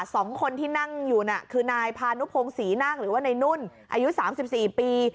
สองคนที่นั่งอยู่น่ะคือนายพานุโพงศรีนั่งหรือว่าในนุ่นอายุ๓๔ปี